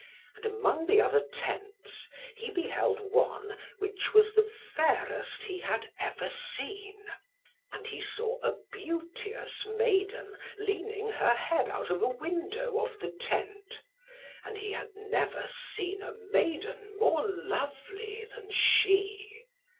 And among the other tents, he beheld one, which was the fairest he had ever seen. And he saw a beauteous maiden leaning her head out of a window of the tent, and he had never seen a maiden more lovely than she.